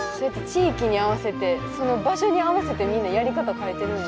地域に合わせてその場所に合わせてみんなやり方を変えてるんや。